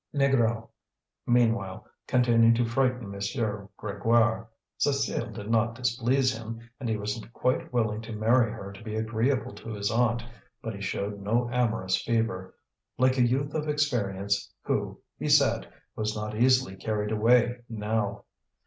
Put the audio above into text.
Négrel, meanwhile, continued to frighten M. Grégoire. Cécile did not displease him, and he was quite willing to marry her to be agreeable to his aunt, but he showed no amorous fever; like a youth of experience, who, he said, was not easily carried away now.